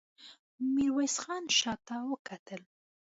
ميرويس خان شاته وکتل.